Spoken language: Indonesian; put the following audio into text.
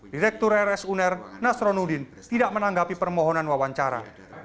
direktur rs uner nasronudin tidak menanggapi permohonan wawancara